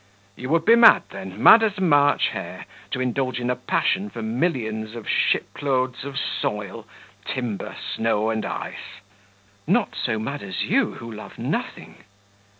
"You would be mad, then mad as a March hare to indulge in a passion for millions of shiploads of soil, timber, snow, and ice." "Not so mad as you who love nothing."